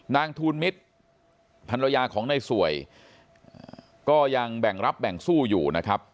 ทูลมิตรภรรยาของในสวยก็ยังแบ่งรับแบ่งสู้อยู่นะครับ